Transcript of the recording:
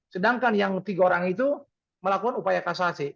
sedangkan yang tiga orang itu melakukan upaya kasasi